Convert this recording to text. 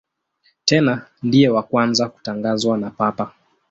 Tena ndiye wa kwanza kutangazwa na Papa.